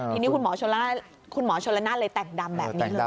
ทีนี้คุณหมอชนละนานเลยแต่งดำแบบนี้เลย